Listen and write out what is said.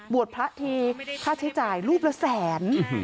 พระทีค่าใช้จ่ายรูปละแสน